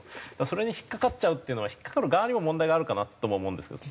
それに引っかかっちゃうっていうのは引っかかる側にも問題があるかなとも思うんですけど。